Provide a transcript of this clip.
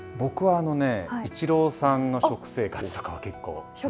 僕はイチローさんの食生活とかは結構。